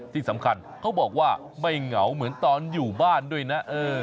ที่สำคัญเขาบอกว่าไม่เหงาเหมือนตอนอยู่บ้านด้วยนะ